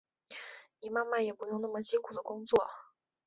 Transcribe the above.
你妈妈也不用那么辛苦的工作